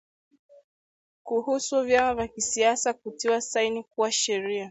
kuhusu vyama vya kisiasa kutiwa saini kuwa sheria